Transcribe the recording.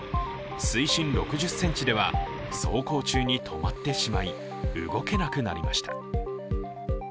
水深６０ｃｍでは走行中に止まってしまい動けなくなりました。